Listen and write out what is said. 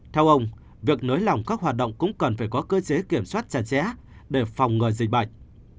theo ông việc nới lỏng các hoạt động cũng cần phải có cơ chế kiểm soát chặt chẽ để phòng ngừa dịch bệnh